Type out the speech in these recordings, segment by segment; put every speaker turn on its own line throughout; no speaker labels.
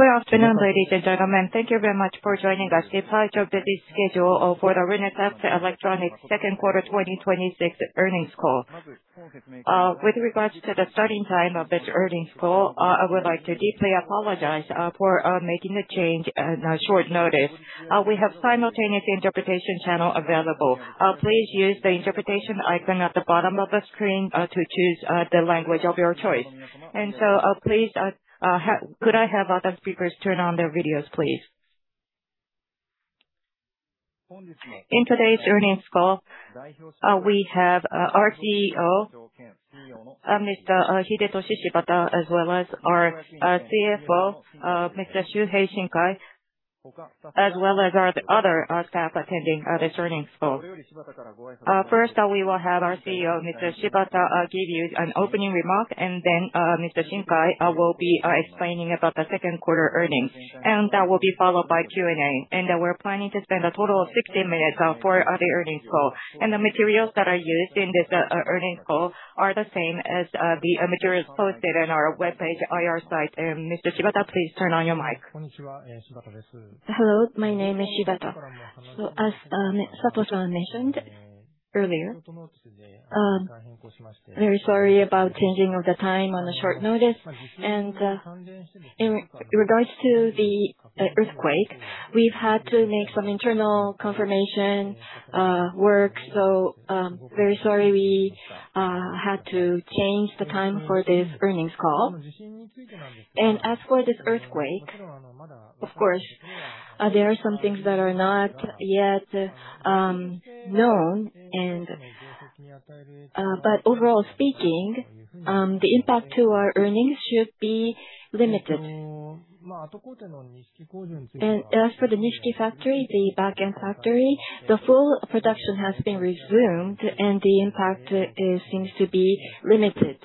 Good afternoon, ladies and gentlemen. Thank you very much for joining us, [we apologize for this] schedule for Renesas Electronics Second Quarter 2026 Earnings Call. With regards to the starting time of this earnings call, I would like to deeply apologize for making a change on short notice. We have simultaneous interpretation channel available. Please use the interpretation icon at the bottom of the screen to choose the language of your choice. Please, could I have other speakers turn on their videos, please? In today's earnings call, we have our CEO, Mr. Hidetoshi Shibata, as well as our CFO, Mr. Shuhei Shinkai, as well as our other staff attending this earnings call. First, we will have our CEO, Mr. Shibata, give you an opening remark. Then Mr. Shinkai will be explaining about the second quarter earnings. That will be followed by Q&A. We're planning to spend a total of 60 minutes for the earnings call. The materials that are used in this earnings call are the same as the materials posted on our webpage IR site. Mr. Shibata, please turn on your mic.
Hello, my name is Shibata. As Sato mentioned earlier, very sorry about changing of the time on short notice. In regards to the earthquake, we've had to make some internal confirmation work. Very sorry we had to change the time for this earnings call. As for this earthquake, of course, there are some things that are not yet known. Overall speaking, the impact to our earnings should be limited. As for the Nishiki factory, the back-end factory, the full production has been resumed, and the impact seems to be limited.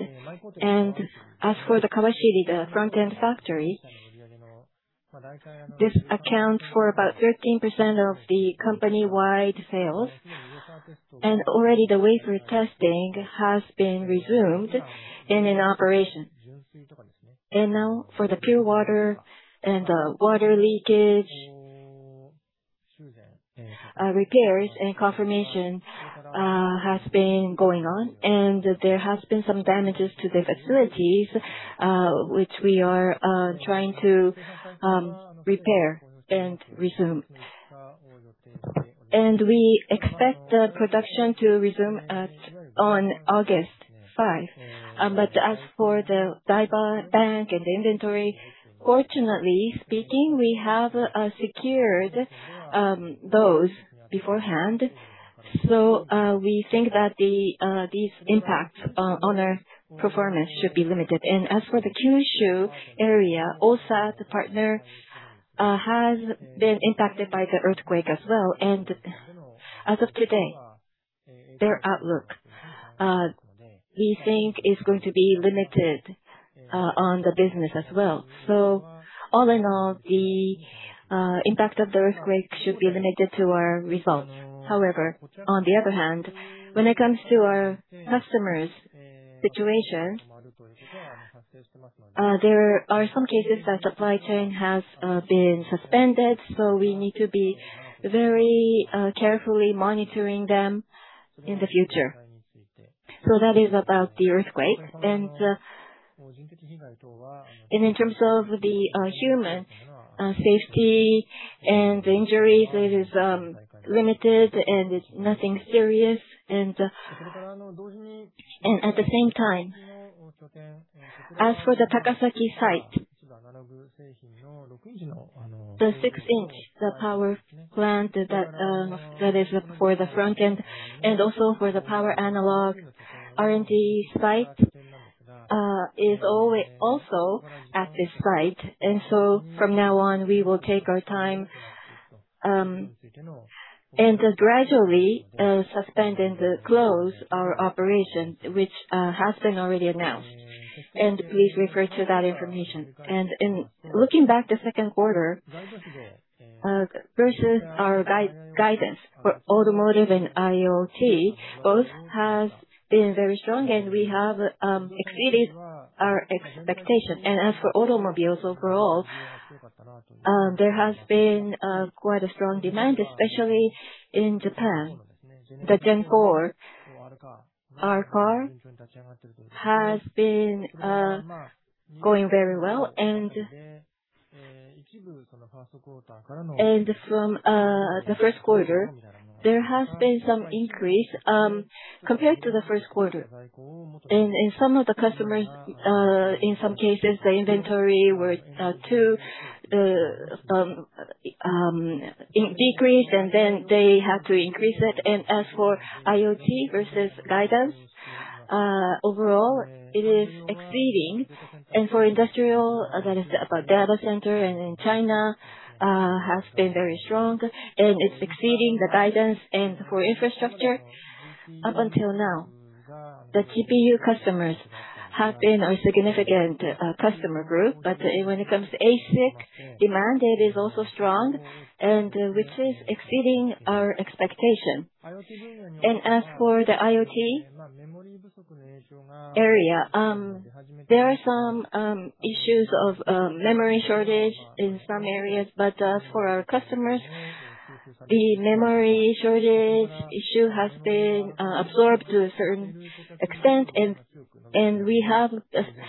As for the Kawashiri, the front-end factory, this accounts for about 13% of the company-wide sales. Already the wafer testing has been resumed and in operation. Now for the pure water and the water leakage repairs and confirmation has been going on. There has been some damages to the facilities, which we are trying to repair and resume. We expect the production to resume on August 5. As for the die bank and inventory, fortunately speaking, we have secured those beforehand. We think that these impacts on our performance should be limited. As for the Kyushu area, J-OSAT, the partner, has been impacted by the earthquake as well. As of today, their outlook, we think is going to be limited on the business as well. All in all, the impact of the earthquake should be limited to our results. However, on the other hand, when it comes to our customers' situation, there are some cases that supply chain has been suspended, so we need to be very carefully monitoring them in the future. That is about the earthquake. In terms of the human safety and injuries, it is limited, and it's nothing serious. At the same time, as for the Takasaki site, the 6-inch, the power plant that is for the front-end, and also for the power analog R&D site, is also at this site. From now on, we will take our time and gradually suspend and close our operation, which has been already announced. Please refer to that information. In looking back to second quarter versus our guidance for automotive and IoT, both has been very strong, and we have exceeded our expectation. As for automobiles overall, there has been quite a strong demand, especially in Japan. The Gen 4 R-Car has been going very well. From the first quarter, there has been some increase compared to the first quarter. In some of the customers, in some cases, the inventory were too decreased, and then they had to increase it. As for IoT versus guidance, overall it is exceeding. For industrial, that is about data center and in China, has been very strong, and it's exceeding the guidance. For infrastructure, up until now, the GPU customers have been a significant customer group. When it comes to ASIC demand, it is also strong. Which is exceeding our expectation. As for the IoT area, there are some issues of memory shortage in some areas, but as for our customers, the memory shortage issue has been absorbed to a certain extent, and we have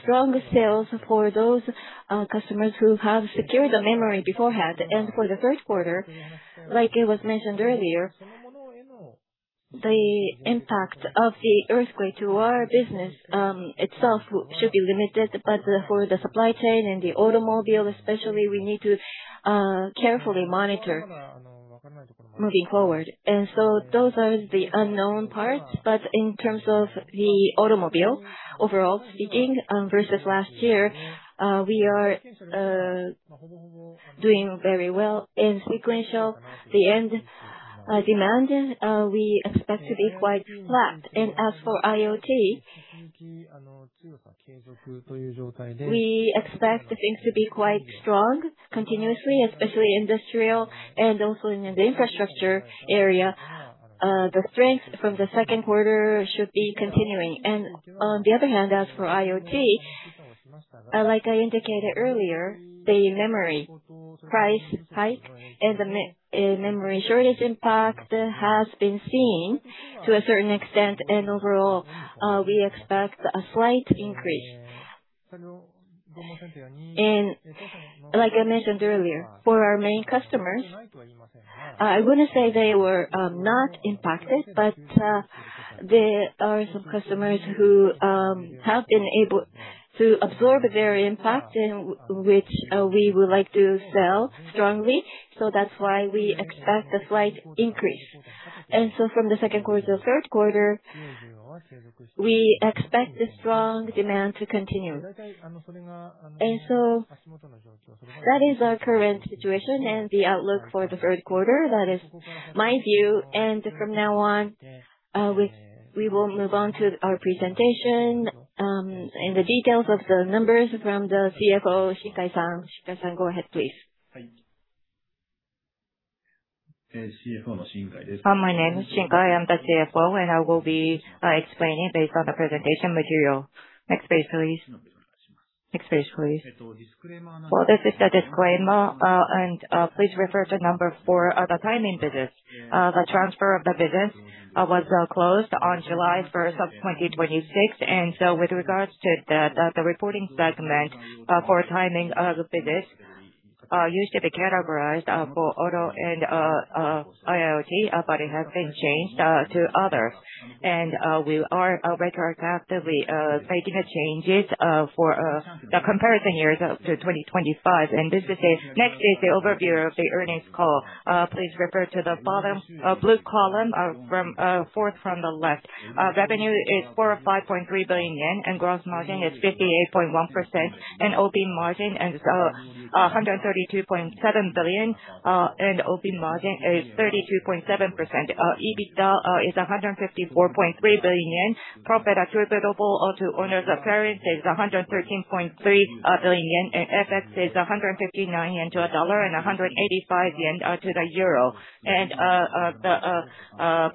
strong sales for those customers who have secured the memory beforehand. For the first quarter, like it was mentioned earlier, the impact of the earthquake to our business itself should be limited, but for the supply chain and the automobile especially, we need to carefully monitor moving forward. Those are the unknown parts. In terms of the automobile, overall speaking, versus last year, we are doing very well. In sequential, the end demand, we expect to be quite flat. As for IoT, we expect things to be quite strong continuously, especially industrial and also in the infrastructure area. The strength from the second quarter should be continuing. On the other hand, as for IoT, like I indicated earlier, the memory price hike and the memory shortage impact has been seen to a certain extent, and overall, we expect a slight increase. Like I mentioned earlier, for our main customers, I wouldn't say they were not impacted, but there are some customers who have been able to absorb their impact, and which we would like to sell strongly. That's why we expect a slight increase. From the second quarter to third quarter, we expect the strong demand to continue. That is our current situation and the outlook for the third quarter. That is my view. From now on, we will move on to our presentation, and the details of the numbers from the CFO, Shinkai-san. Shinkai-san, go ahead, please.
My name is Shinkai, I'm the CFO. I will be explaining based on the presentation material. Next page, please. Next page, please. This is the disclaimer. Please refer to number four of the timing business. The transfer of the business was closed on July 1st of 2026. With regards to the reporting segment for timing of the business, used to be categorized for auto and IoT, but it has been changed to other. We are retroactively making changes for the comparison years up to 2025. Next is the overview of the earnings call. Please refer to the bottom blue column, fourth from the left. Revenue is 405.3 billion yen. Gross margin is 58.1%. Operating margin is 132.7 billion. Operating margin is 32.7%. EBITDA is 154.3 billion yen. Profit attributable to owners of parent is 113.3 billion yen. FX is 159 yen to a dollar and 185 yen to the euro.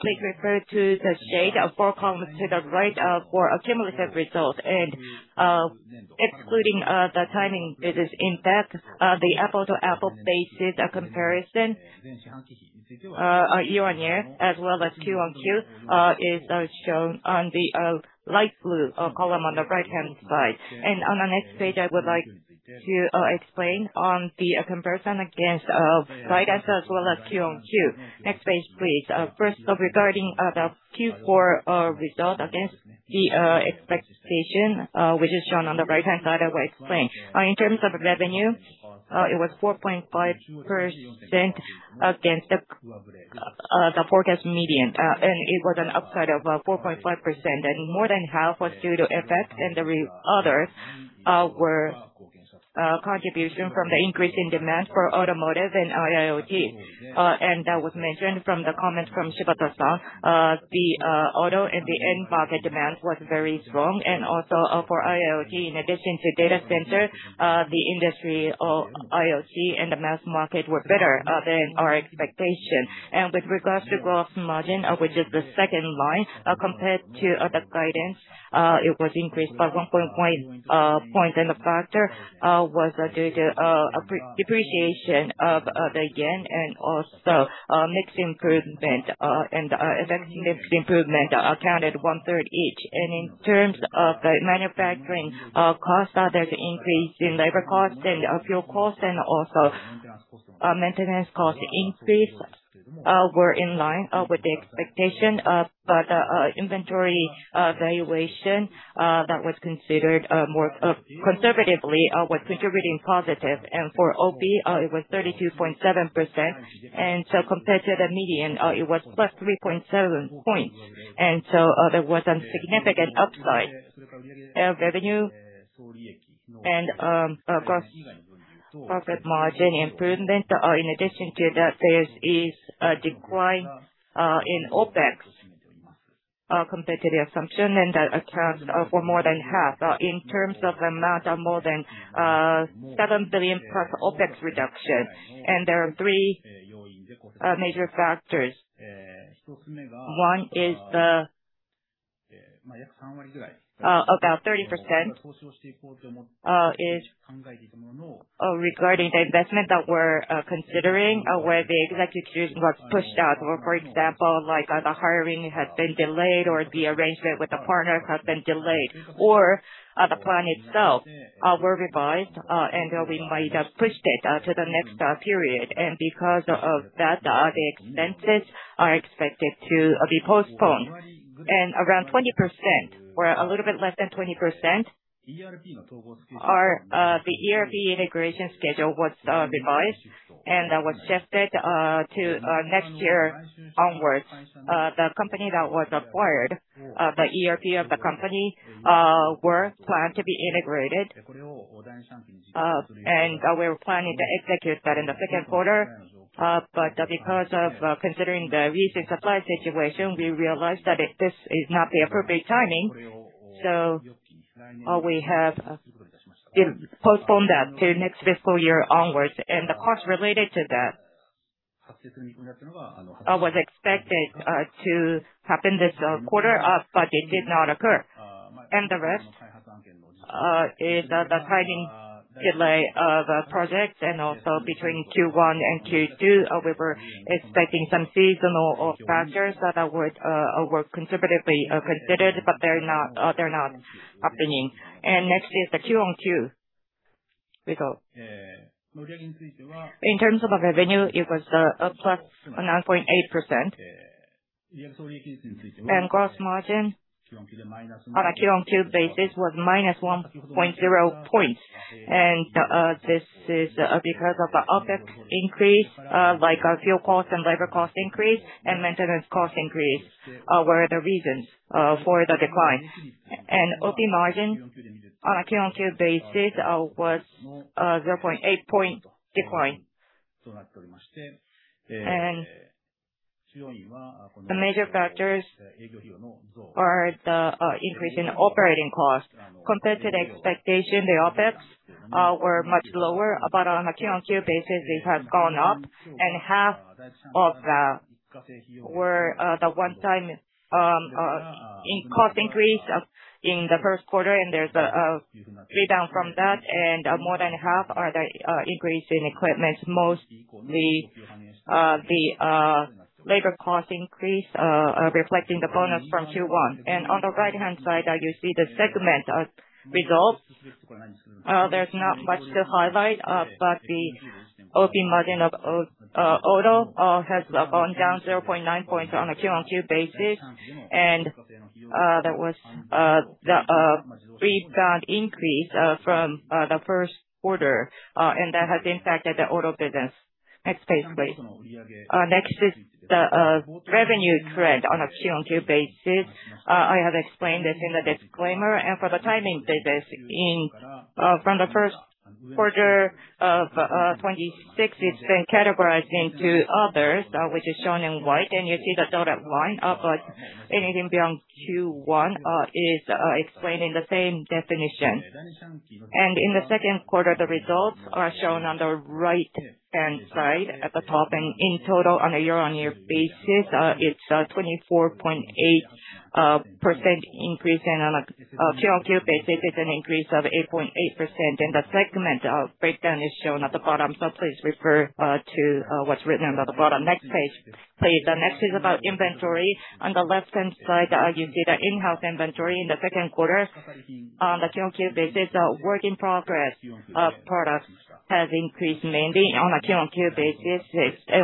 Please refer to the shade of four columns to the right for a cumulative result. Excluding the timing business impact, the apple-to-apple basis comparison, year-on-year as well as Q-on-Q, is shown on the light blue column on the right-hand side. On the next page, I would like to explain on the comparison against guidance as well as Q-on-Q. Next page, please. First, regarding the Q4 result against the expectation, which is shown on the right-hand side, I will explain. In terms of revenue, it was 4.5% against the forecast median. It was an upside of 4.5%. More than half was due to FX. The others were contribution from the increase in demand for automotive and IoT. That was mentioned from the comments from Shibata-san. The auto and the end market demand was very strong. Also for IoT, in addition to data center, the industry IoT and the mass market were better than our expectation. With regards to gross margin, which is the second line, compared to the guidance, it was increased by one full point. The factor was due to depreciation of the yen and also mix improvement. Effect mix improvement accounted one-third each. In terms of the manufacturing cost, there's increase in labor cost and fuel cost. Also maintenance cost increase were in line with the expectation. Inventory valuation that was considered more conservatively was contributing positive. For OP, it was 32.7%. Compared to the median, it was +3.7 points. There was a significant upside. Revenue and gross profit margin improvement. In addition to that, there is a decline in OpEx. Our competitive assumption accounts for more than half. In terms of amount, of more than 7+ billion OpEx reduction. There are three major factors. One is about 30%, regarding the investment that we're considering, where the execution was pushed out. For example, the hiring had been delayed, or the arrangement with the partners have been delayed, or the plan itself were revised. We might have pushed it to the next period. Because of that, the expenses are expected to be postponed. Around 20%, or a little bit less than 20%, the ERP integration schedule was revised and was shifted to next year onwards. The company that was acquired, the ERP of the company, was planned to be integrated. We were planning to execute that in the second quarter. Because of considering the recent supply situation, we realized that this is not the appropriate timing. We have postponed that to next fiscal year onwards, and the costs related to that was expected to happen this quarter, but it did not occur. The rest is the timing delay of projects, and also between Q1 and Q2, we were expecting some seasonal factors that were considerably considered, but they are not happening. Next is the Q-on-Q result. In terms of the revenue, it was +9.8%. Gross margin on a Q-on-Q basis was -1.0 points. This is because of the OpEx increase, like our fuel cost and labor cost increase, and maintenance cost increase were the reasons for the decline. OP margin on a Q-on-Q basis was 0.8 point decline. The major factors are the increase in operating cost. Compared to the expectation, the OpEx were much lower. On a Q-on-Q basis, it has gone up, and half of that were the one-time cost increase in the first quarter, and there is a slowdown from that, and more than half are the increase in equipment. Mostly the labor cost increase, reflecting the bonus from Q1. On the right-hand side, you see the segment of results. There is not much to highlight, but the OP margin of auto has gone down 0.9 points on a Q-on-Q basis. That was the free down] increase from the first quarter. That has impacted the auto business. Next page, please. Next is the revenue trend on a Q-on-Q basis. I have explained this in the disclaimer. For the timing basis from the first quarter of 2026, it has been categorized into others, which is shown in white, and you see the total at one. Anything beyond Q1 is explained in the same definition. In the second quarter, the results are shown on the right-hand side at the top. In total, on a year-on-year basis, it is a 24.8% increase, and on a Q-on-Q basis, it is an increase of 8.8%, and the segment breakdown is shown at the bottom, so please refer to what is written at the bottom. Next page, please. Next is about inventory. On the left-hand side, you see the in-house inventory in the second quarter. On the Q-on-Q basis, the work in progress of products has increased, mainly on a Q-on-Q basis.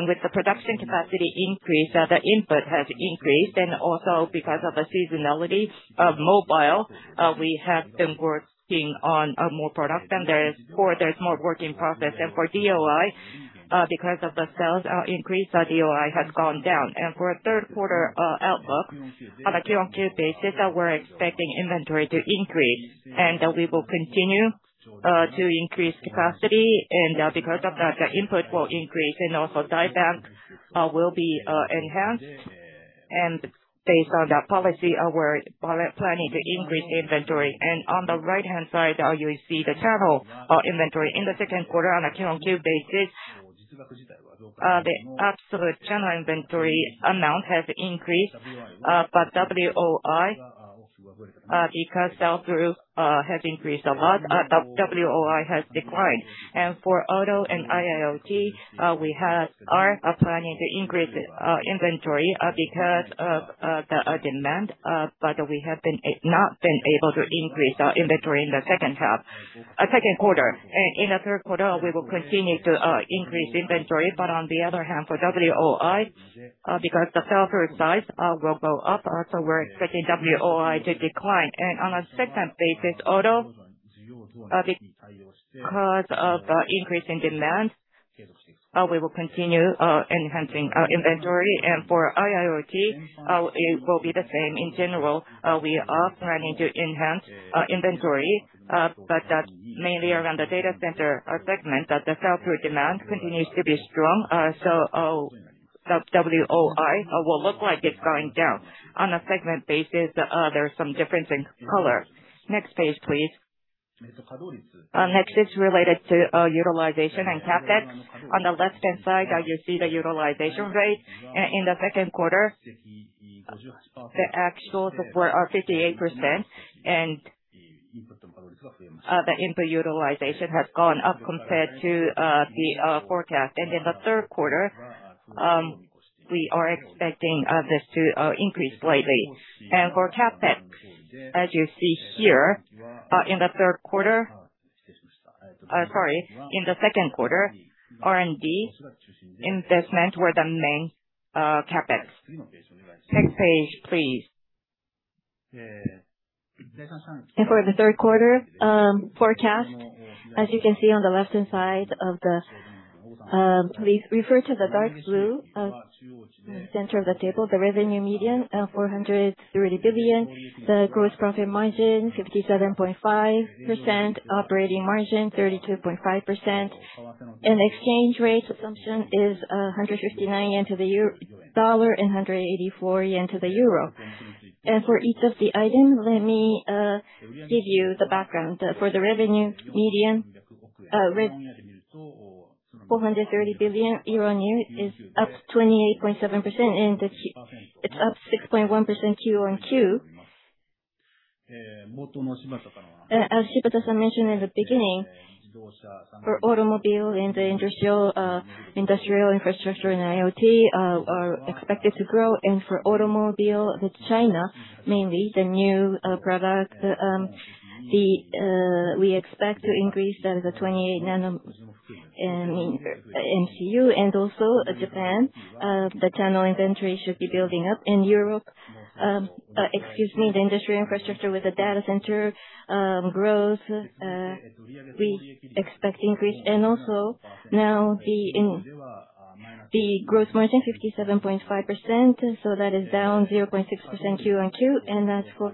With the production capacity increase, the input has increased. Also because of the seasonality of mobile, we have been working on more products, and there is more work in progress. For DOI, because of the sales increase, our DOI has gone down. For our third quarter outlook, on a Q-on-Q basis, we are expecting inventory to increase. We will continue to increase capacity. Because of that, the input will increase, and also die bank will be enhanced. Based on that policy, we are planning to increase inventory. On the right-hand side, you see the total inventory. In the second quarter on a Q-on-Q basis, the absolute channel inventory amount has increased, but WOI, because sell-through has increased a lot, WOI has declined. For Auto and I/IoT, we are planning to increase inventory because of the demand. We have not been able to increase our inventory in the second quarter. In the third quarter, we will continue to increase inventory, but on the other hand, for WOI, because the sell-through size will go up, we are expecting WOI to decline. On a segment basis, Auto, because of increasing demand, we will continue enhancing our inventory. For I/IoT, it will be the same. In general, we are planning to enhance our inventory, but that is mainly around the Data Center segment that the sell-through demand continues to be strong. WOI will look like it is going down. On a segment basis, there is some difference in color. Next page, please. Next is related to utilization and CapEx. On the left-hand side, you see the utilization rate. In the second quarter, the actuals were 58%. The input utilization has gone up compared to the forecast. In the third quarter, we are expecting this to increase slightly. For CapEx, as you see here, in the second quarter, R&D investments were the main CapEx. Next page, please. For the third quarter forecast, as you can see on the left-hand side, please refer to the dark blue in the center of the table. The revenue median, 430 billion. The gross profit margin, 57.5%. Operating margin, 32.5%. Exchange rate assumption is 159 yen to the dollar and 184 yen to the euro. For each of the items, let me give you the background. For the revenue median, JPY 430 billion year-on-year is up 28.7%, and it is up 6.1% QoQ. As Shibata-san mentioned in the beginning, Automobile and Industrial Infrastructure and IoT are expected to grow. For Automobile, China, mainly the new product, we expect to increase the 28nm MCU. Japan, the channel inventory should be building up. In Europe, the Industrial Infrastructure with the Data Center growth, we expect increase. Now the gross margin 57.5%, that is down 0.6% QoQ.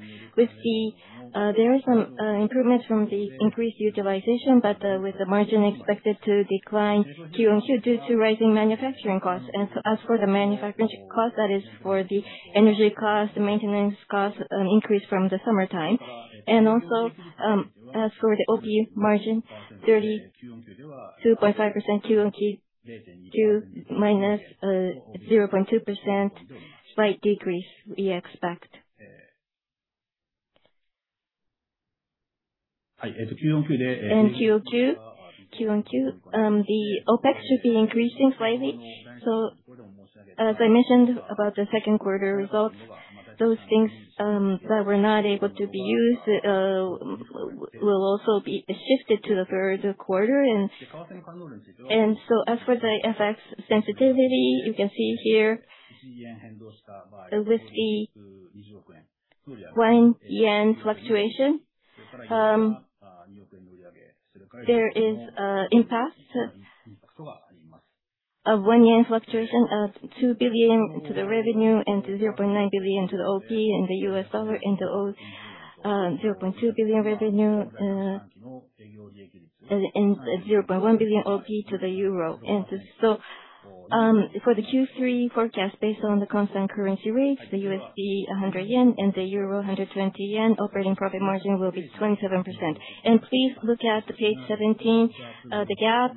There are some improvements from the increased utilization, but with the margin expected to decline QoQ due to rising manufacturing costs. As for the manufacturing cost, that is for the energy cost, maintenance cost, an increase from the summertime. As for the Operating margin, 32.5% QoQ to -0.2%, slight decrease we expect. QoQ, the OpEx should be increasing slightly. As I mentioned about the second quarter results, those things that were not able to be used will also be shifted to the third quarter. As for the FX sensitivity, you can see here with the 1 JPY fluctuation, there is impact of 1 yen fluctuation of 2 billion to the revenue, and to 0.9 billion to the OP, and the $0.2 billion revenue, and 0.1 billion OP to the euro. For the Q3 forecast based on the constant currency rates, the USD, 100 yen and the EUR, JPY 120, operating profit margin will be 27%. Please look at the page 17, the GAAP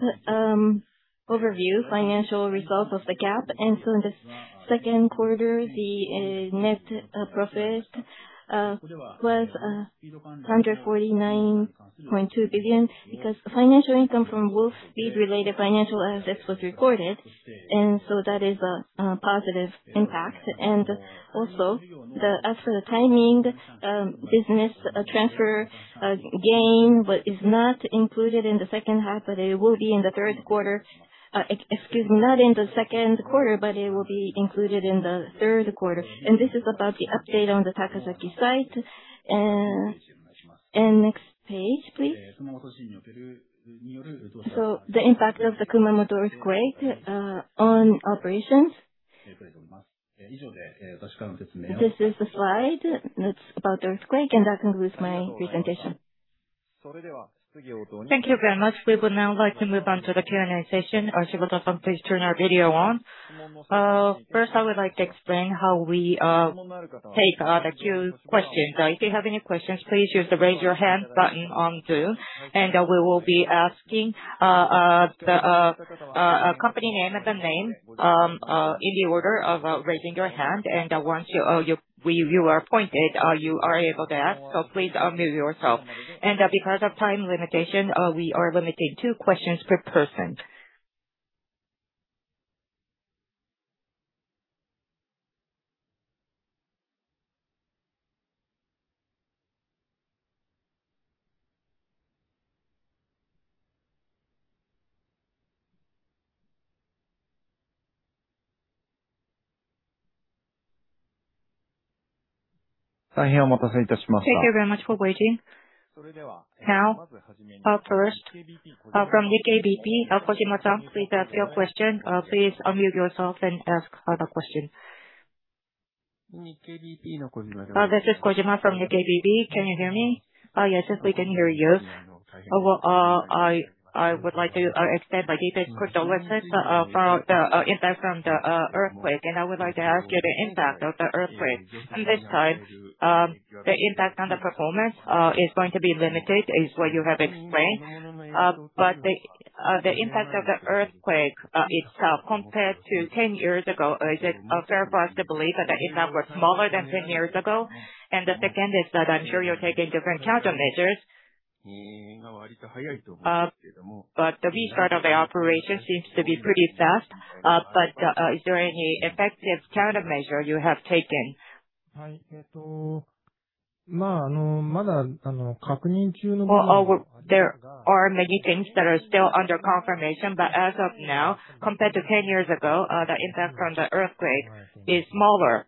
overview, financial results of the GAAP. In the second quarter, the net profit was 149.2 billion because financial income from Wolfspeed-related financial assets was recorded. That is a positive impact. As for the timing business transfer gain is not included in the second half, but it will be in the third quarter. Excuse me, not in the second quarter, but it will be included in the third quarter. This is about the update on the Takasaki site. Next page, please. The impact of the Kumamoto earthquake on operations. This is the slide that is about the earthquake, and that concludes my presentation.
Thank you very much. We would now like to move on to the Q&A session. Shibata-san, please turn your video on. First, I would like to explain how we take the cue questions. If you have any questions, please use the Raise Your Hand button on Zoom, and we will be asking the company name and the name in the order of raising your hand. Once you are pointed, you are able to ask, please unmute yourself. Because of time limitation, we are limiting two questions per person. Thank you very much for waiting. First, from Nikkei, Kojima-san, please ask your question. Please unmute yourself and ask the question.
This is Kojima from Nikkei. Can you hear me? Yes, we can hear you. I would like to extend my deepest condolences about the impact from the earthquake, and I would like to ask you the impact of the earthquake. This time, the impact on the performance is going to be limited, is what you have explained. The impact of the earthquake itself compared to 10 years ago, is it fair for us to believe that the impact was smaller than 10 years ago? The second is that I am sure you are taking different countermeasures. The restart of the operation seems to be pretty fast. Is there any effective countermeasure you have taken?
There are many things that are still under confirmation, but as of now, compared to 10 years ago, the impact from the earthquake is smaller.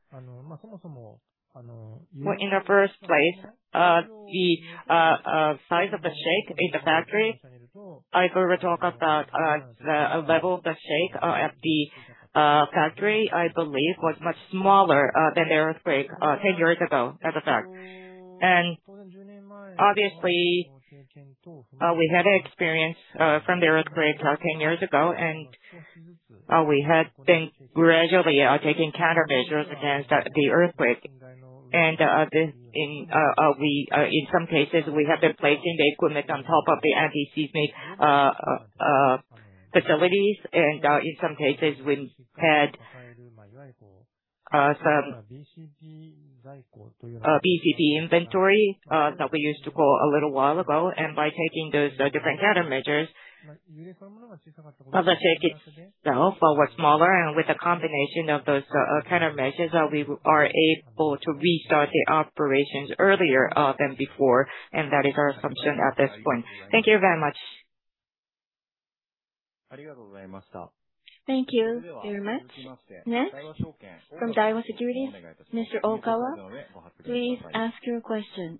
In the first place, the size of the shake in the factory, I heard a talk about the level of the shake at the factory, I believe, was much smaller than the earthquake 10 years ago, as a fact. We had experience from the earthquake 10 years ago, and we had been gradually taking countermeasures against the earthquake. In some cases, we have been placing the equipment on top of the anti-seismic facilities. In some cases, we had some BCD inventory that we used to call a little while ago. By taking those different countermeasures, the shake itself was smaller. With the combination of those countermeasures, we are able to restart the operations earlier than before, and that is our assumption at this point.
Thank you very much.
Thank you very much. Next, from Daiwa Securities, Mr. Okawa, please ask your question.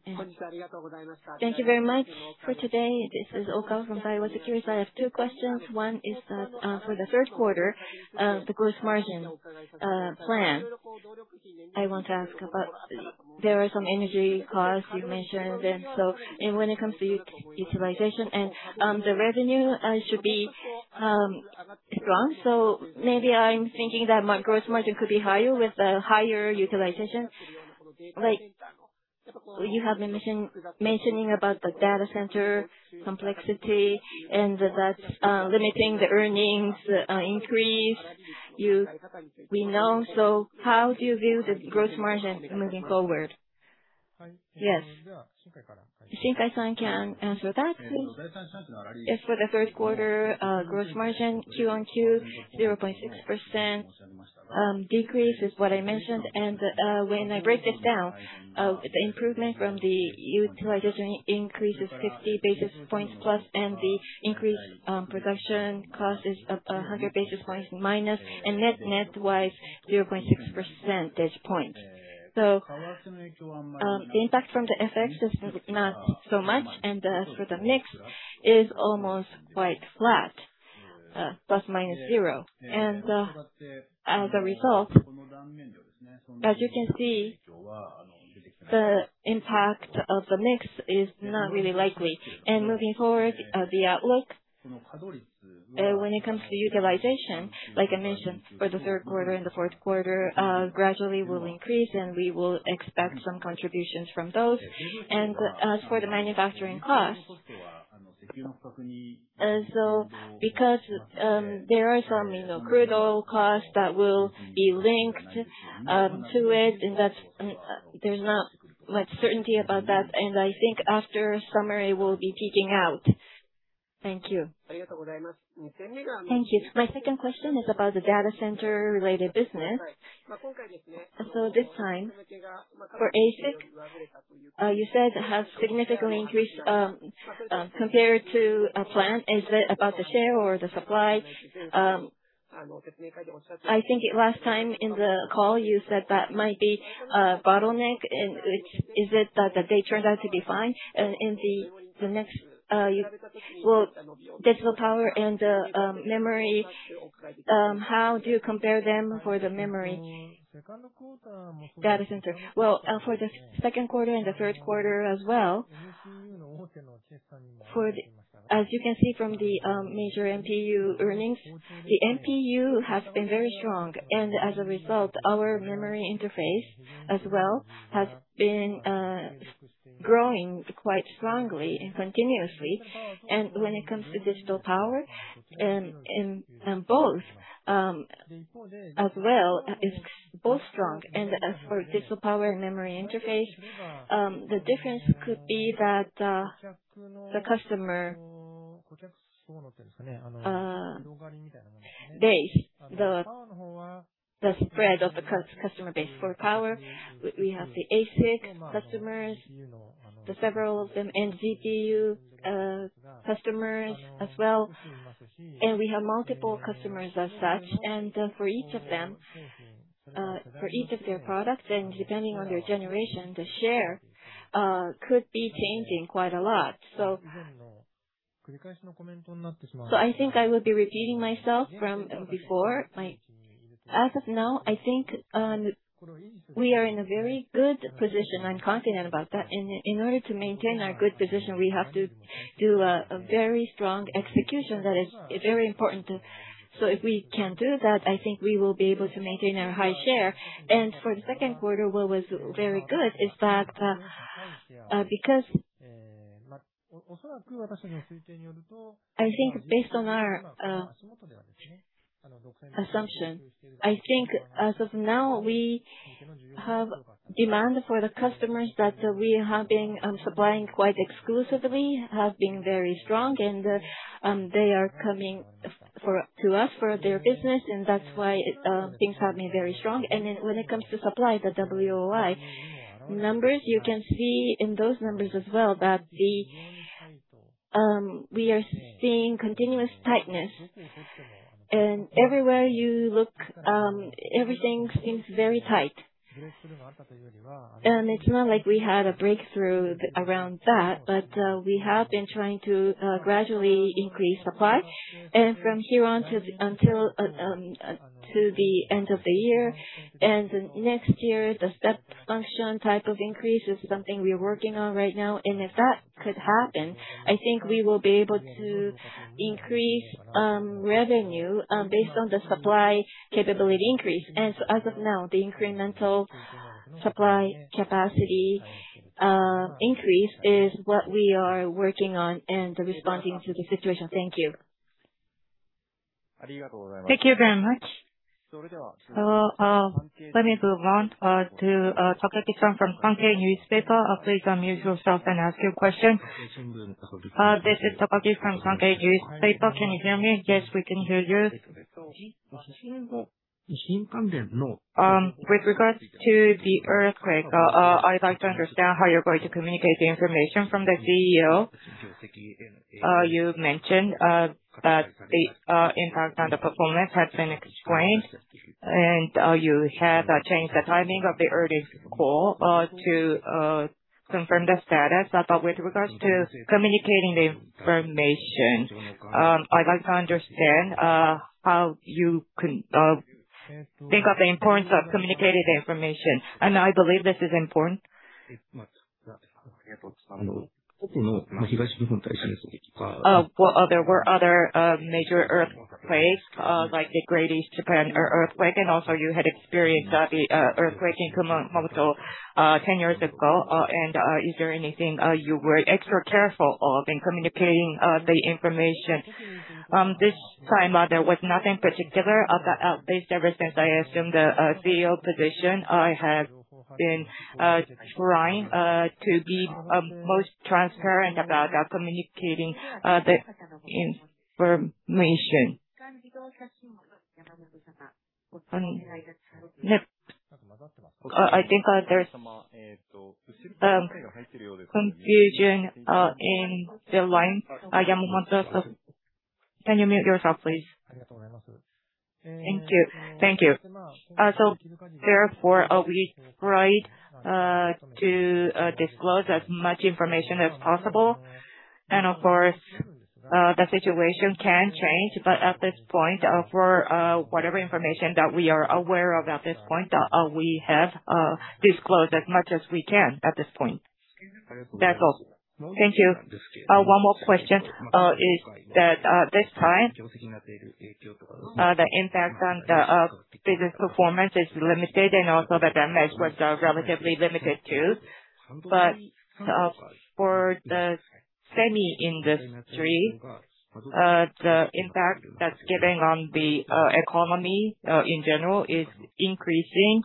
Thank you very much for today. This is Okawa from Daiwa Securities. I have two questions. One is that for the third quarter, the gross margin plan. I want to ask about, there are some energy costs you mentioned. When it comes to utilization and the revenue should be strong. Maybe I am thinking that my gross margin could be higher with a higher utilization. You have been mentioning about the data center complexity and that is limiting the earnings increase, we know. How do you view the gross margin moving forward?
Yes. Shinkai-san can answer that.
As for the third quarter gross margin, QoQ, 0.6% decrease is what I mentioned. When I break this down, the improvement from the utilization increase is 50 basis points plus, the increase production cost is -100 basis points, net-net wise, 0.6 percentage point. The impact from the FX is not so much. As for the mix, is almost quite flat, ±0. As a result, as you can see, the impact of the mix is not really likely. Moving forward, the outlook, when it comes to utilization, like I mentioned, for the third quarter and the fourth quarter, gradually will increase and we will expect some contributions from those. As for the manufacturing cost, because there are some crude oil costs that will be linked to it, there is not much certainty about that. I think after summer, it will be peaking out. Thank you.
Thank you. My second question is about the data center related business. This time, for ASIC, you said has significantly increased compared to a plan. Is it about the share or the supply? I think last time in the call, you said that might be a bottleneck. Is it that they turned out to be fine? In the next, well, digital power and the memory, how do you compare them for the memory data center?
Well, for the second quarter and the third quarter as well, as you can see from the major MPU earnings, the MPU has been very strong. As a result, our memory interface as well has been growing quite strongly and continuously. When it comes to digital power, both as well, is both strong. As for digital power and memory interface, the difference could be that the customer base, the spread of the customer base. For power, we have the ASIC customers, several of them, and [GPU] customers as well. We have multiple customers as such, and for each of them, for each of their products, and depending on their generation, the share could be changing quite a lot. I think I would be repeating myself from before. As of now, I think we are in a very good position. I'm confident about that. In order to maintain our good position, we have to do a very strong execution. That is very important. If we can do that, I think we will be able to maintain our high share. For the second quarter, what was very good is that, I think based on our assumption, as of now, we have demand for the customers that we have been supplying quite exclusively, have been very strong. They are coming to us for their business, and that's why things have been very strong. When it comes to supply, the WOI numbers, you can see in those numbers as well that we are seeing continuous tightness. Everywhere you look, everything seems very tight. It's not like we had a breakthrough around that. We have been trying to gradually increase supply. From here on to the end of the year and next year, the step function type of increase is something we are working on right now. If that could happen, I think we will be able to increase revenue based on the supply capability increase. As of now, the incremental supply capacity increase is what we are working on and responding to the situation. Thank you.
Thank you very much.
Let me move on to Takagi-san from Sankei Shimbun. Please unmute yourself and ask your question.
This is Takagi from Sankei Shimbun. Can you hear me?
Yes, we can hear you.
With regards to the earthquake, I'd like to understand how you're going to communicate the information from the CEO. You mentioned that the impact on the performance has been explained. You have changed the timing of the earnings call to confirm the status. But with regards to communicating the information, I'd like to understand how you think of the importance of communicating the information. I believe this is important. There were other major earthquakes, like the Great East Japan earthquake, and also you had experienced the earthquake in Kumamoto 10 years ago. Is there anything you were extra careful of in communicating the information?
This time, there was nothing particular. Based ever since I assumed the CEO position, I have been trying to be most transparent about communicating the information.
I think there's confusion in the line. Yamamoto-san, can you mute yourself, please? Thank you.
Thank you. Therefore, we tried to disclose as much information as possible. Of course, the situation can change. At this point, for whatever information that we are aware of at this point, we have disclosed as much as we can at this point. That's all.
Thank you. One more question is that this time, the impact on the business performance is limited and also the damage was relatively limited too. For the semi industry, the impact that's giving on the economy in general is increasing.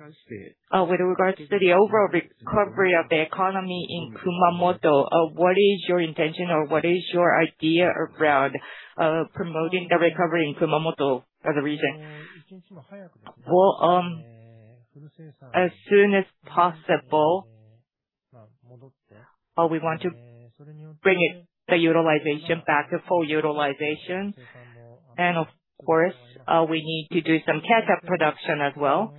With regards to the overall recovery of the economy in Kumamoto, what is your intention or what is your idea around promoting the recovery in Kumamoto as a region?
Well, as soon as possible, we want to bring the utilization back to full utilization. Of course, we need to do some catch-up production as well.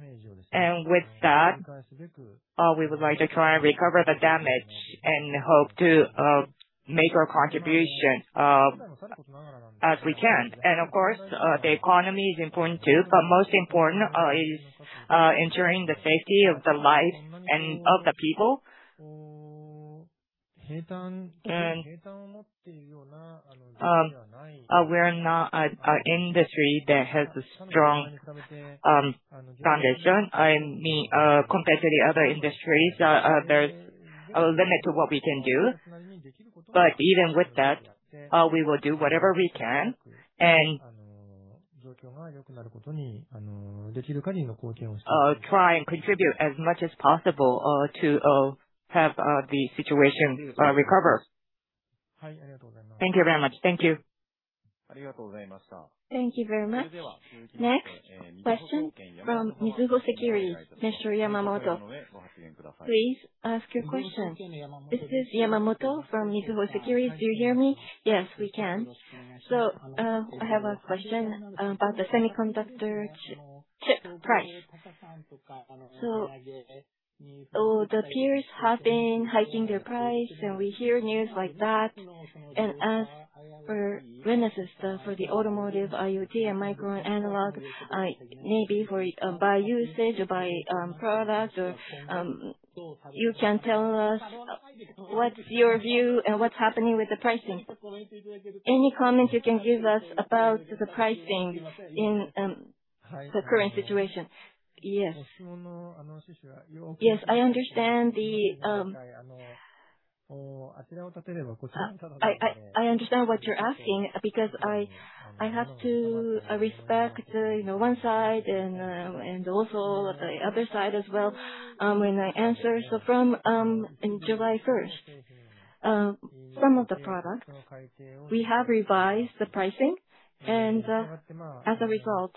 With that, we would like to try and recover the damage and hope to make our contribution as we can. Of course, the economy is important too, but most important is ensuring the safety of the life and of the people. We're not an industry that has a strong foundation. Compared to the other industries, there's a limit to what we can do. Even with that, we will do whatever we can and try and contribute as much as possible to have the situation recover.
Thank you very much.
Thank you.
Thank you very much. Next, question from Mizuho Securities, Mr. Yamamoto. Please ask your question.
This is Yamamoto from Mizuho Securities. Do you hear me?
Yes, we can.
I have a question about the semiconductor chip price. The peers have been hiking their price, and we hear news like that. As for Renesas, for the automotive, IoT and micro analog, maybe by usage or by product or you can tell us what's your view and what's happening with the pricing. Any comment you can give us about the pricing in the current situation?
Yes. I understand what you're asking, because I have to respect one side and also the other side as well when I answer. From July 1st, some of the products, we have revised the pricing, and as a result,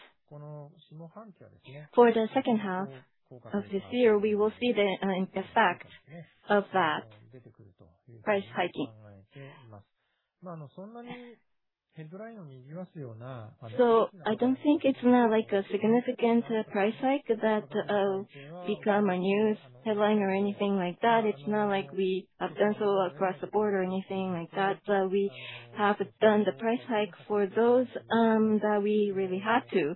for the second half of this year, we will see the effect of that price hiking. I don't think it's like a significant price hike that become a news headline or anything like that. It's not like we have done so across the board or anything like that, but we have done the price hike for those that we really had to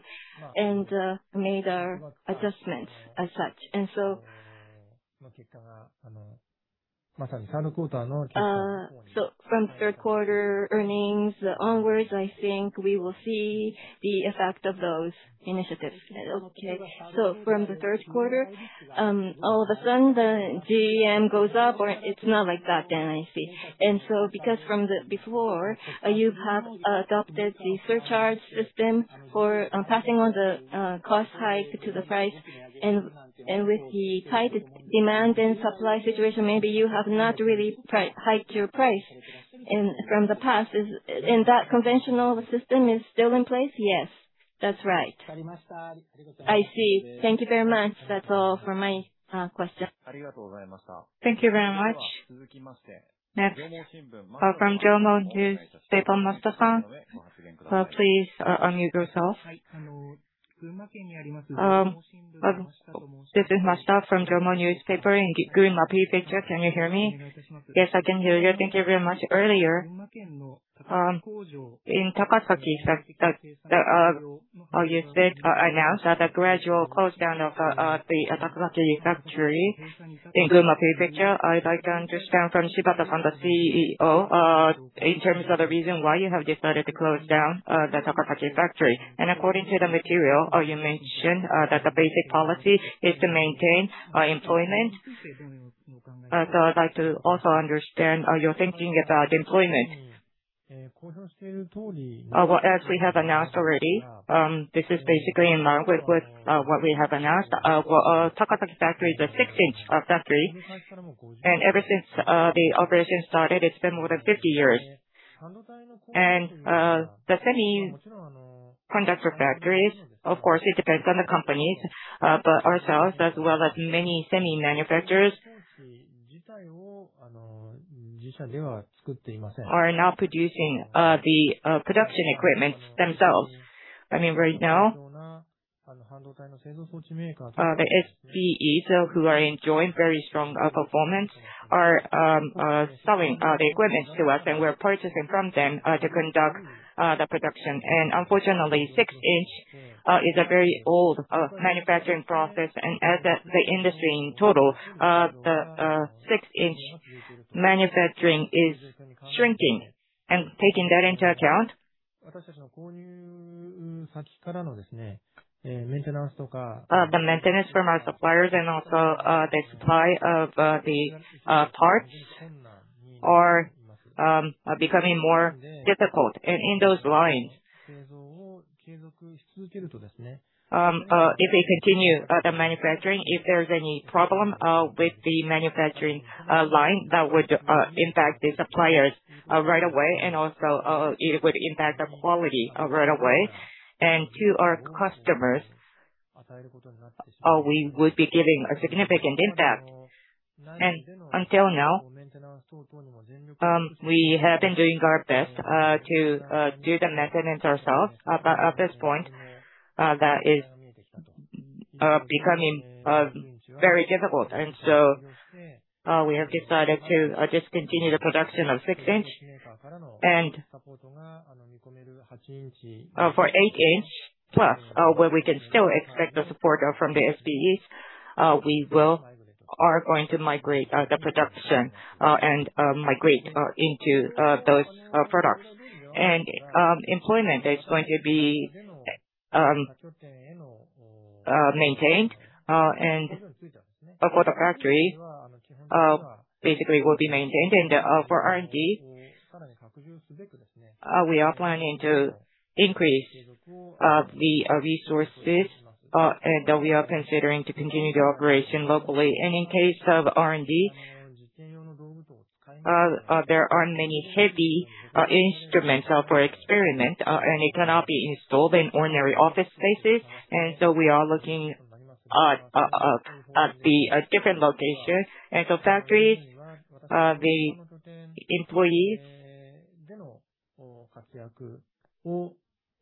and made our adjustments as such. From third quarter earnings onwards, I think we will see the effect of those initiatives.
Okay. From the third quarter, all of a sudden, the GM goes up or it's not like that then, I see. Because from before, you have adopted the surcharge system for passing on the cost hike to the price and with the tight demand and supply situation, maybe you have not really hiked your price from the past. That conventional system is still in place?
Yes, that's right.
I see. Thank you very much. That's all for my question.
Thank you very much. Next, call from Jomo Shimbun, Masato-san. Please unmute yourself.
This is Masato from Jomo Shimbun in Gunma Prefecture. Can you hear me?
Yes, I can hear you.
Thank you very much. Earlier, you announced the gradual close down of the Takasaki factory in Gunma Prefecture. I'd like to understand from Shibata-san, the CEO, in terms of the reason why you have decided to close down the Takasaki factory. According to the material, you mentioned that the basic policy is to maintain employment. I'd like to also understand your thinking about employment.
As we have announced already, this is basically in line with what we have announced. Takasaki factory is 6-inch factory, ever since the operation started, it's been more than 50 years. The semiconductor factories, of course, it depends on the companies. Ourselves, as well as many semi manufacturers, are not producing the production equipment themselves. Right now, the SBEs who are enjoying very strong performance are selling the equipment to us, and we're purchasing from them to conduct the production. Unfortunately, 6-inch is a very old manufacturing process. As the industry in total, the 6-inch manufacturing is shrinking. Taking that into account, the maintenance from our suppliers and also the supply of the parts are becoming more difficult. In those lines, if they continue the manufacturing, if there's any problem with the manufacturing line, that would impact the suppliers right away, and also it would impact the quality right away. To our customers, we would be giving a significant impact. Until now, we have been doing our best to do the maintenance ourselves. At this point, that is becoming very difficult. We have decided to discontinue the production of 6-inch. For 8+ inch, where we can still expect the support from the SBEs, we are going to migrate the production and migrate into those products. Employment is going to be maintained, and for the factory, basically will be maintained. For R&D, we are planning to increase the resources, and we are considering to continue the operation locally. In case of R&D, there are many heavy instruments for experiments, and it cannot be installed in ordinary office spaces. We are looking at different locations. Factories, the employees,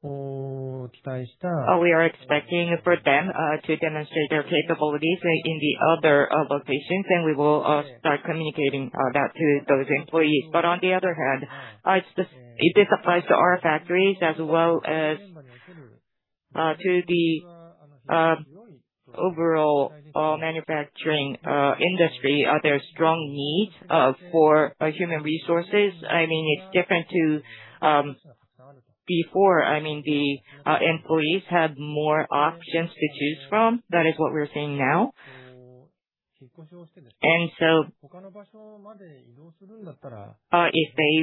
we are expecting for them to demonstrate their capabilities in the other locations, and we will start communicating that to those employees. On the other hand, this applies to our factories as well as to the overall manufacturing industry. There are strong needs for human resources. It's different to before. The employees have more options to choose from. That is what we're seeing now. If they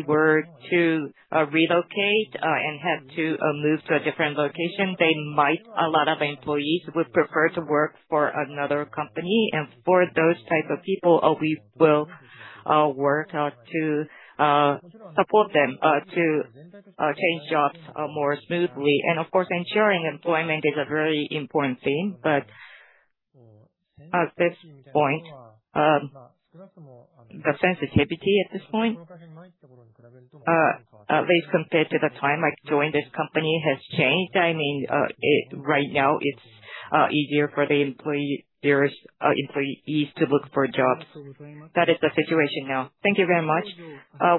were to relocate and had to move to a different location, a lot of employees would prefer to work for another company. For those type of people, we will work to support them to change jobs more smoothly. Of course, ensuring employment is a very important thing. At this point, the sensitivity at this point, at least compared to the time I joined this company, has changed. Right now, it's easier for the employees to look for jobs. That is the situation now.
Thank you very much. I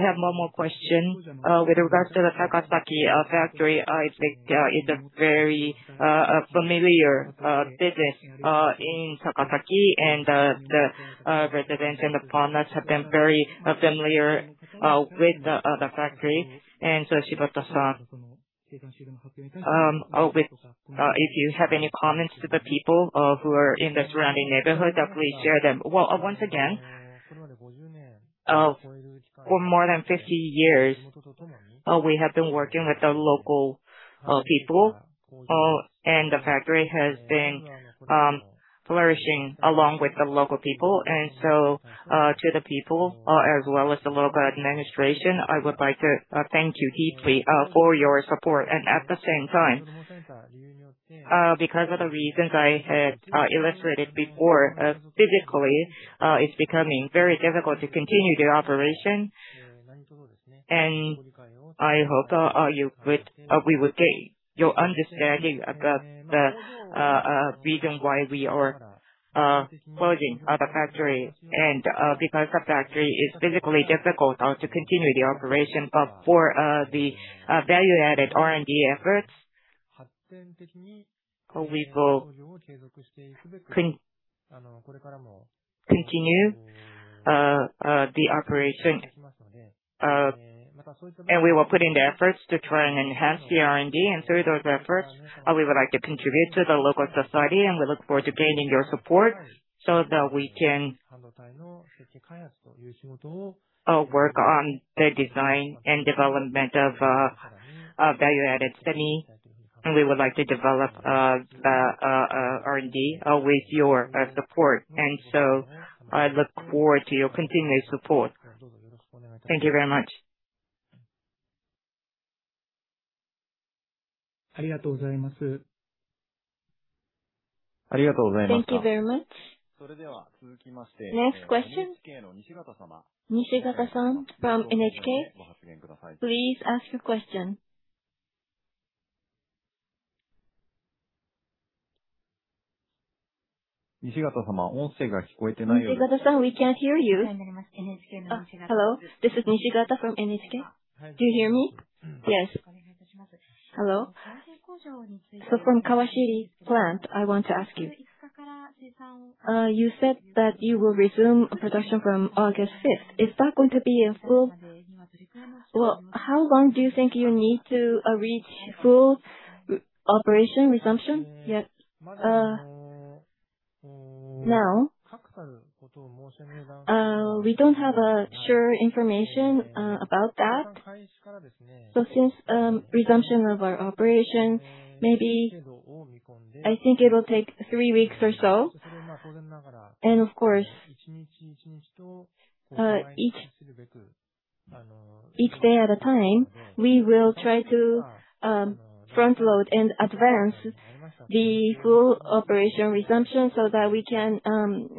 have one more question. With regards to the Takasaki factory, I think it's a very familiar business in Takasaki, and the residents and the partners have been very familiar with the factory. Shibata, if you have any comments to the people who are in the surrounding neighborhood, please share them.
Once again, for more than 50 years, we have been working with the local people, and the factory has been flourishing along with the local people. To the people as well as the local administration, I would like to thank you deeply for your support. At the same time, because of the reasons I had illustrated before, physically, it's becoming very difficult to continue the operation. I hope we will gain your understanding about the reason why we are closing the factory. Because the factory is physically difficult to continue the operation, but for the value-added R&D efforts, we will continue the operation. We will put in the efforts to try and enhance the R&D. Through those efforts, we would like to contribute to the local society, and we look forward to gaining your support so that we can work on the design and development of value-added semi, and we would like to develop R&D with your support. I look forward to your continued support.
Thank you very much.
Thank you very much. Next question. Nishigata San from NHK, please ask your question. Nishigata San, we can't hear you.
Hello. This is Nishigata from NHK. Do you hear me?
Yes.
Hello. From Kawashiri plant, I want to ask you. You said that you will resume production from August 5th. Is that going to be in full? How long do you think you need to reach full operation resumption?
Yes. Now, we don't have sure information about that. Since resumption of our operation, maybe, I think it will take three weeks or so. Of course, each day at a time, we will try to front load and advance the full operation resumption so that we can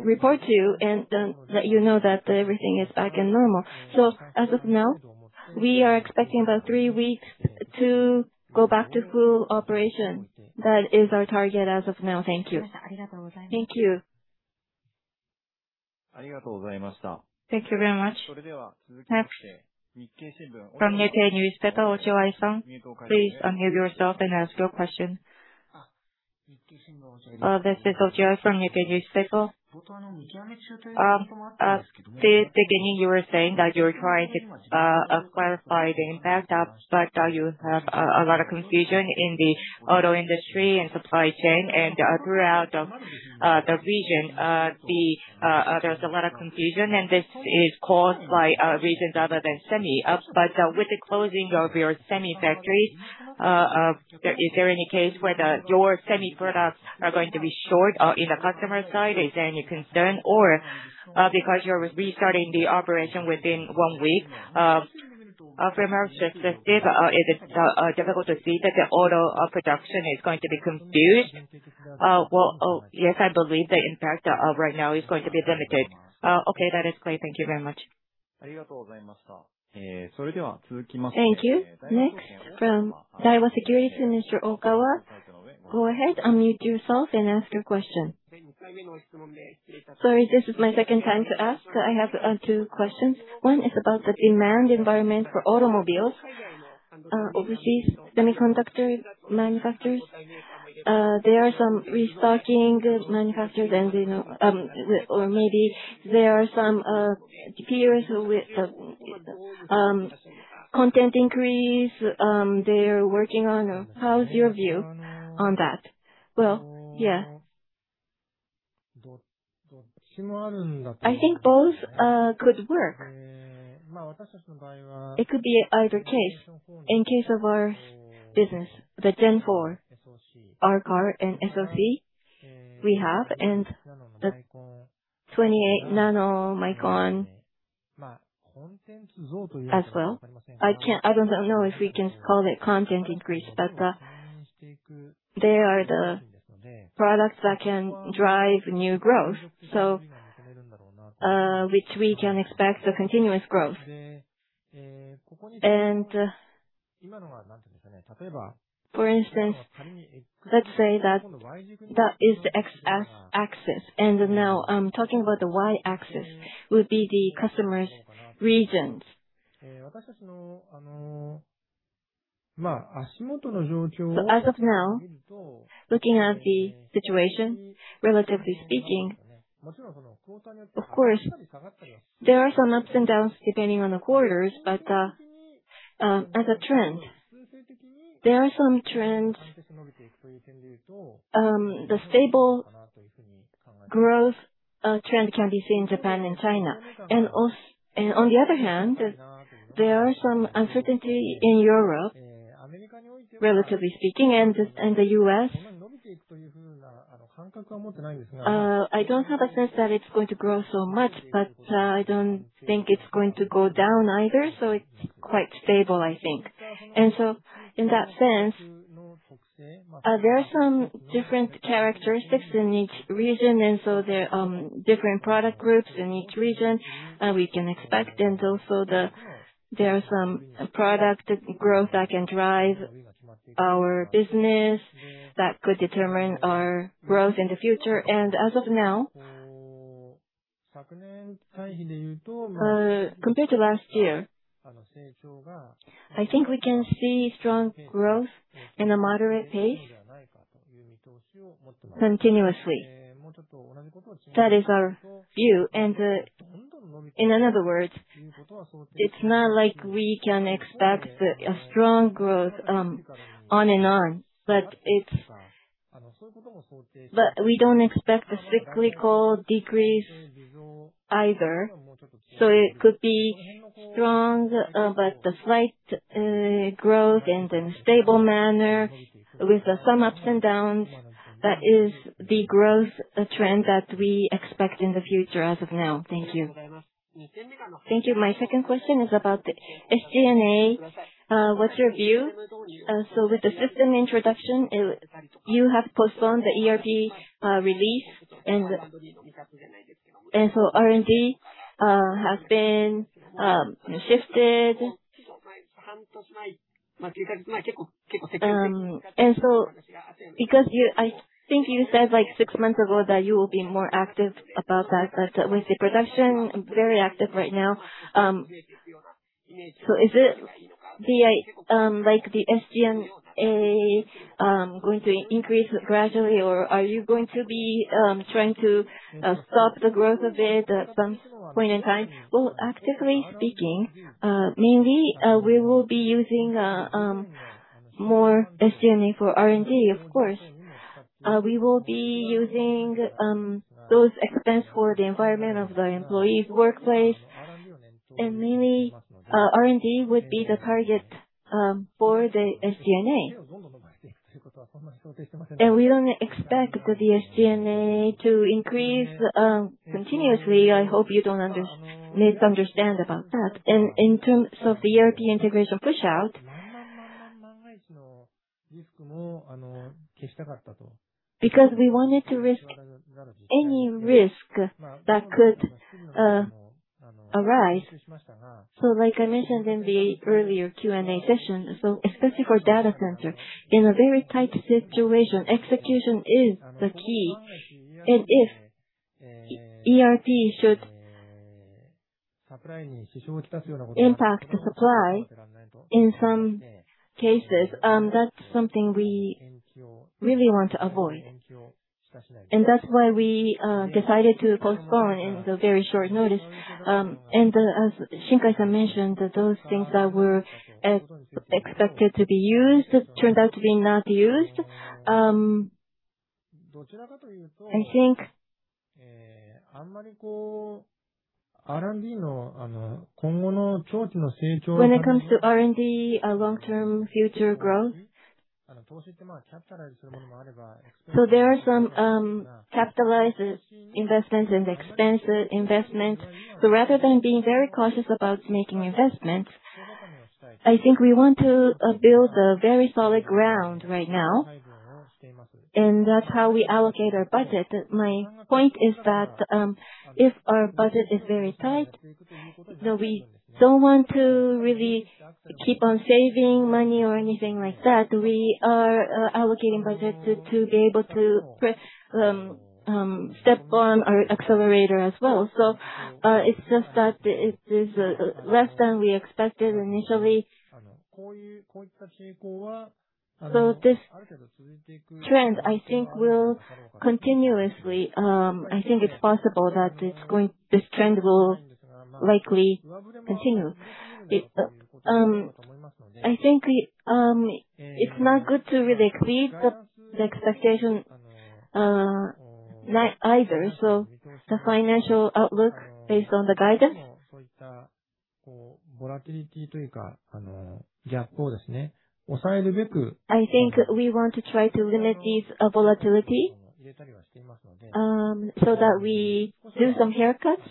report to you and let you know that everything is back and normal. As of now, we are expecting about three weeks to go back to full operation. That is our target as of now. Thank you.
Thank you.
Thank you very much. From Nikkei Shimbun, Ochiai San, please unmute yourself and ask your question.
This is Ochiai from Nikkei Shimbun. At the beginning, you were saying that you're trying to clarify the impact, but you have a lot of confusion in the auto industry and supply chain and throughout the region. There's a lot of confusion, and this is caused by regions other than semi. With the closing of your semi factory Is there any case where your semi products are going to be short in the customer side? Is there any concern? Because you're restarting the operation within one week, from our perspective, is it difficult to see that the order of production is going to be confused?
Yes, I believe the impact right now is going to be limited.
That is clear. Thank you very much.
Thank you. Next, from Daiwa Securities, Mr. Okawa. Go ahead, unmute yourself and ask your question.
Sorry, this is my second time to ask. I have two questions. One is about the demand environment for automobiles. Overseas semiconductor manufacturers, there are some restocking manufacturers or maybe there are some peers with content increase they are working on. How's your view on that?
I think both could work. It could be either case. In case of our business, the Gen 4 R-Car and SoC we have, and the 28nm MCU as well. I don't know if we can call it content increase, but they are the products that can drive new growth, which we can expect a continuous growth. For instance, let's say that that is the X-axis and now I'm talking about the Y-axis, would be the customer's regions. As of now, looking at the situation, relatively speaking, of course, there are some ups and downs depending on the quarters, but as a trend, there are some trends. The stable growth trend can be seen in Japan and China. On the other hand, there are some uncertainty in Europe, relatively speaking, and the U.S. I don't have a sense that it's going to grow so much, but I don't think it's going to go down either, it's quite stable, I think. In that sense, there are some different characteristics in each region, there are different product groups in each region we can expect, and also there are some product growth that can drive our business that could determine our growth in the future. As of now, compared to last year, I think we can see strong growth in a moderate pace continuously. That is our view. In other words, it's not like we can expect a strong growth on and on. We don't expect a cyclical decrease either. It could be strong, but a slight growth in a stable manner with some ups and downs. That is the growth trend that we expect in the future as of now. Thank you.
Thank you. My second question is about the SG&A. What's your view? With the system introduction, you have postponed the ERP release, R&D has been shifted. I think you said six months ago that you will be more active about that, with the production very active right now. Is the SG&A going to increase gradually, or are you going to be trying to stop the growth of it at some point in time?
Actively speaking, mainly, we will be using more SG&A for R&D, of course. We will be using those expense for the environment of the employees' workplace. Mainly, R&D would be the target for the SG&A. We don't expect the SG&A to increase continuously. I hope you don't misunderstand about that. In terms of the ERP integration push-out, because we wanted to risk any risk that could arise. Like I mentioned in the earlier Q&A session, especially for data center, in a very tight situation, execution is the key. If ERP should impact the supply in some cases, that's something we really want to avoid. That's why we decided to postpone in the very short notice. As Shinkai mentioned, those things that were expected to be used, turned out to be not used. I think When it comes to R&D long-term future growth, there are some capitalized investments and expensive investments. Rather than being very cautious about making investments, I think we want to build a very solid ground right now, and that's how we allocate our budget. My point is that if our budget is very tight, we don't want to really keep on saving money or anything like that. We are allocating budget to be able to step on our accelerator as well. It's just that it is less than we expected initially. This trend, I think it's possible that this trend will likely continue. I think it's not good to really exceed the expectation either. The financial outlook based on the guidance, I think we want to try to limit this volatility, so that we do some haircuts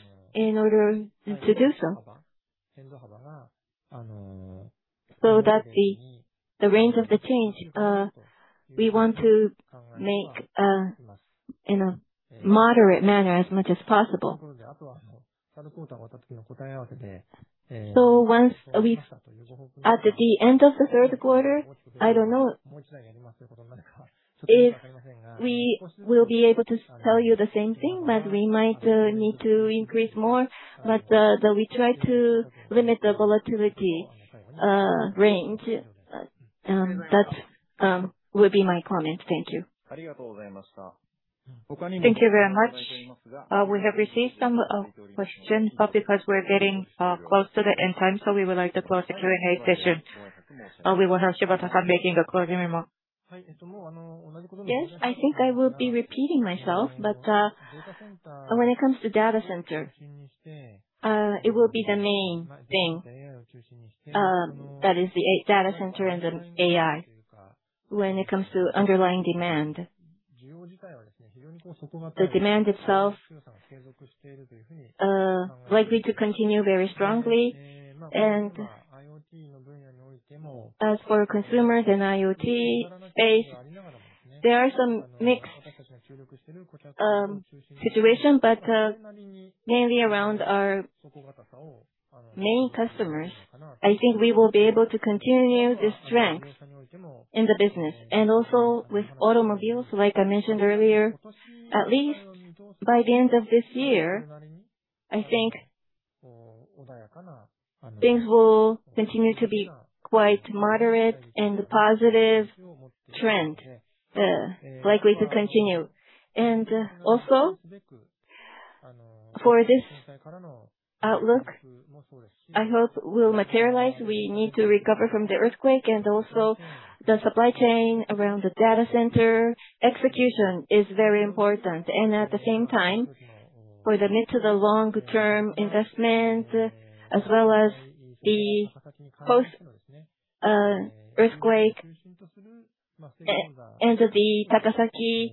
in order to do so. That the range of the change, we want to make in a moderate manner as much as possible. Once we at the end of the third quarter, I don't know if we will be able to tell you the same thing, but we might need to increase more. We try to limit the volatility range. That would be my comment. Thank you.
Thank you very much. We have received some questions, but because we're getting close to the end time, so we would like to close the Q&A session. We will have Shibata-san making the closing remarks.
Yes, I think I will be repeating myself, when it comes to data center, it will be the main thing. That is the data center and the AI. When it comes to underlying demand. The demand itself likely to continue very strongly. As for consumers in IoT space, there are some mixed situation, but mainly around our main customers. I think we will be able to continue this strength in the business and also with automobiles. Like I mentioned earlier, at least by the end of this year, I think things will continue to be quite moderate and positive trend likely to continue. Also for this outlook, I hope will materialize. We need to recover from the earthquake and also the supply chain around the data center. Execution is very important and at the same time for the mid to the long-term investment as well as the post earthquake and the Takasaki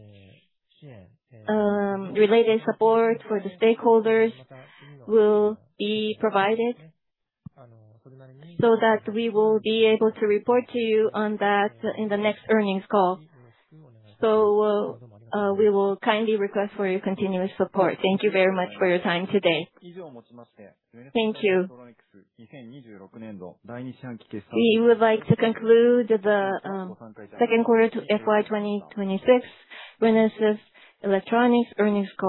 related support for the stakeholders will be provided so that we will be able to report to you on that in the next earnings call. We will kindly request for your continuous support. Thank you very much for your time today.
Thank you. We would like to conclude the second quarter to FY 2026 Renesas Electronics earnings call.